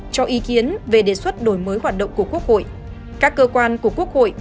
cho ý kiến về đề xuất đổi mới hoạt động của quốc hội các cơ quan của quốc hội